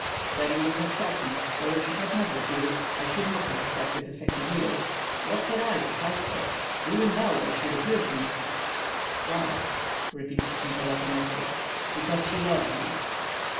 "Then you would have shot me, for if she had not refused I should not have accepted a second duel. What had I to fight for? Do you know why she refused me?" "Why?" repeated Kmita, like an echo. "Because she loves you."